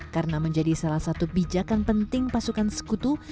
karena menjadi salah satu bijakan penting pasukan sekutu